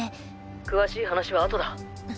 詳しい話は後だ！